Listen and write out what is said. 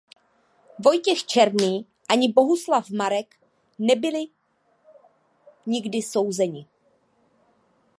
Vojtěch Černý ani Bohuslav Marek nebyli nikdy souzeni.